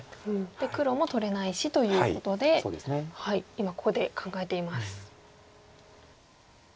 で黒も取れないしということで今ここで考えています。